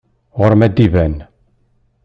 Ɣur-m ad d-iban.